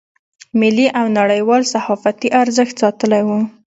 ملي او نړیوال صحافتي ارزښت ساتلی و.